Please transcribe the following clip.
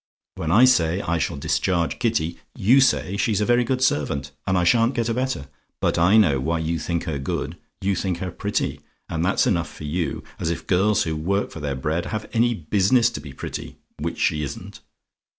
When I say I shall discharge Kitty, you say she's a very good servant, and I sha'n't get a better. But I know why you think her good; you think her pretty, and that's enough for you; as if girls who work for their bread have any business to be pretty, which she isn't.